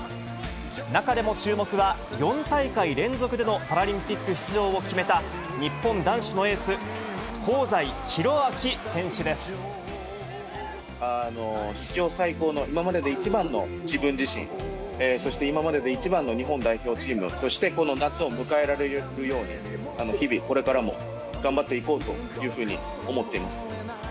中でも注目は、４大会連続でのパラリンピック出場を決めた、日本男子のエース、史上最高の、今までで一番の自分自身、そして今までで一番の日本代表チームとして、この夏を迎えられるように、日々、これからも頑張っていこうというふうに思っています。